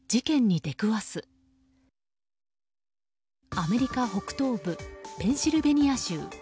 アメリカ北東部ペンシルベニア州。